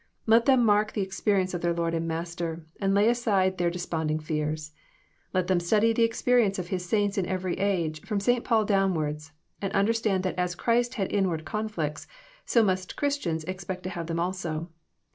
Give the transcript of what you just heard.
Let them mark the experience of their Lord and Master, and lay aside their desponding fears. Let them study the experience of His saints in every age, from St. Paul downwards, and understand that as Christ had inward conflicts, so must Christians expect to have them also.